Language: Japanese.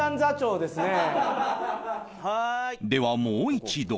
ではもう一度